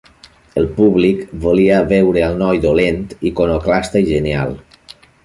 El públic volia veure al noi dolent, iconoclasta i genial.